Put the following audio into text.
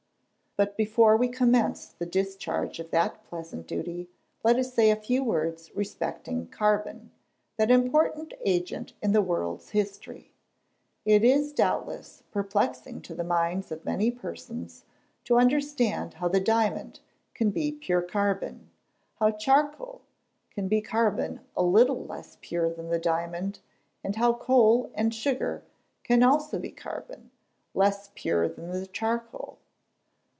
But before we commence the discharge of that pleasant duty, let us say a few words respecting Carbon, that important agent in the world's history. It is, doubtless, perplexing to the minds of many persons, to understand how the diamond can be pure carbon; how charcoal can be carbon a little less pure than the diamond; and how coal and sugar can also be carbon, less pure than the charcoal.